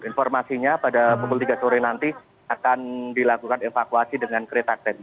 informasinya pada pukul tiga sore nanti akan dilakukan evakuasi dengan kereta ten